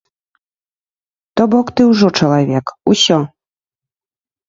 То бок ты ўжо чалавек, усё!